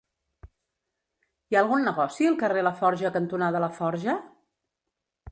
Hi ha algun negoci al carrer Laforja cantonada Laforja?